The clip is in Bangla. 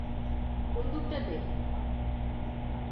বন্দুক টা দে।